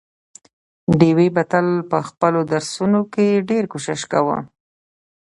ډېوې به تل په خپلو درسونو کې ډېر کوښښ کاوه،